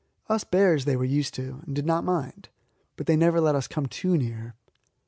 Us bears they were used to and did not mind; but they never let us come too near.